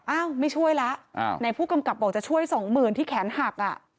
อ้าวไม่ช่วยแล้วไหนผู้กำกับบอกจะช่วยสองหมื่นที่แขนหักอ่ะ